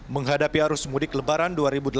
menghadapi arus mudik lebaran dua ribu delapan belas